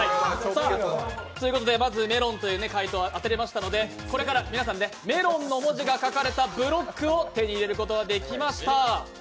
まずメロンという解答を当てられましたのでこれから皆さん「め」「ろ」「ん」の文字が書かれたブロックを手にすることできました。